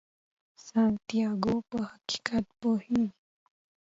سانتیاګو په حقیقت پوهیږي.